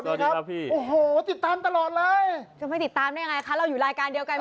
เออใช่ลืมไปนะครับคุณรายการอยู่กัน